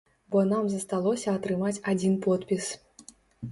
Бо нам засталося атрымаць адзін подпіс.